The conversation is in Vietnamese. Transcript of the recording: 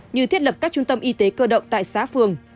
như thiết lập các trung tâm y tế cơ động tại xã phường